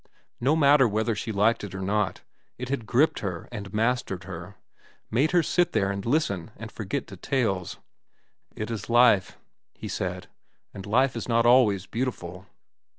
No matter whether she liked it or not, it had gripped her and mastered her, made her sit there and listen and forget details. "It is life," he said, "and life is not always beautiful.